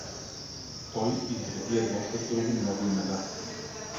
Той изреди едно след друго много имена.